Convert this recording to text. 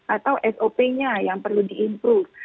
atau sop nya yang perlu di improve